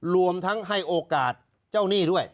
รวมทั้งให้โอกาสเจ้าหนี้ด้วย